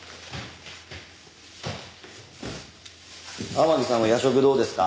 天樹さんも夜食どうですか？